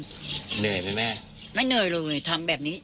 เหนื่อยไหมแม่ไม่เหนื่อยลงเลยทำแบบนี้